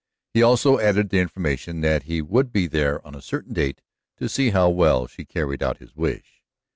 He also added the information that he would be there on a certain date to see how well she carried out his wish.